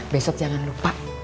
besok jangan lupa